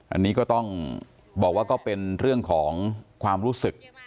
อันนี้ก็ต้องบอกว่าก็เป็นเรื่องของความรู้สึก